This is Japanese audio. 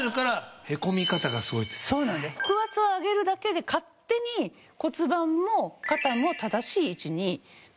腹圧を上げるだけで勝手に骨盤も肩も正しい位置に整ってくれるんです。